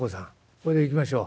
それでいきましょう」。